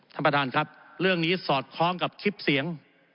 ท่านประธานครับเรื่องนี้สอดคล้องกับคลิปเสียง